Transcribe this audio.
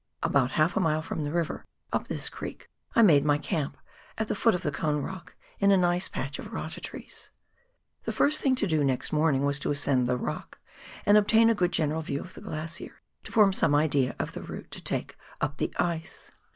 About half a mile from the river, up this creek, I made my camp, at the foot of the Cone Rock, in a nice patch of rata trees. The first thing to do next morning was to ascend the rock and obtain a good general view of the glacier, to form some idea of the route to take up the ice.